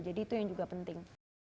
jadi itu yang juga penting